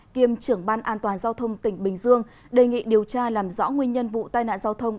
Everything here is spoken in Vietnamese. kiêm trưởng ban an toàn giao thông tỉnh bình dương đề nghị điều tra làm rõ nguyên nhân vụ tai nạn giao thông